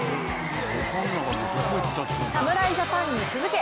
侍ジャパンに続け